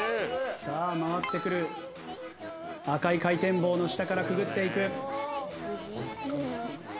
さあ回ってくる赤い回転棒の下からくぐっていく。